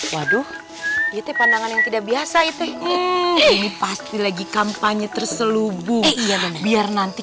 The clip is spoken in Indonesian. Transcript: waduh itu pandangan yang tidak biasa itu ini pasti lagi kampanye terselubung iya dan biar nanti